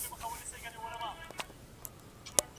د منفي مداخلې په نتيجه کي د هغوی شخصي ژوند متضرر کيږي.